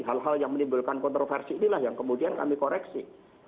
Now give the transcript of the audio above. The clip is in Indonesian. hal hal yang menimbulkan kontroversi inilah yang kemudian kami koreksi